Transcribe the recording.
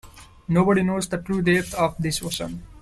Nobody knows the true depth of this ocean.